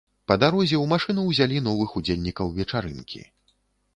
Па дарозе ў машыну ўзялі новых удзельнікаў вечарынкі.